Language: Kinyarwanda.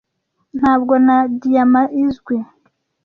Ntabwo na diyama izwi